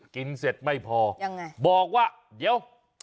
เสร็จไม่พอยังไงบอกว่าเดี๋ยว